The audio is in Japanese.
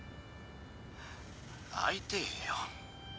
会いてえよ。